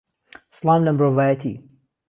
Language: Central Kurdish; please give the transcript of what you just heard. سڵام لە مرۆڤایەتی